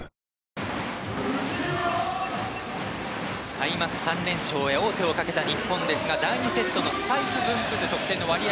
開幕３連勝へ王手をかけた日本ですが第２セットのスパイク分布図得点の割合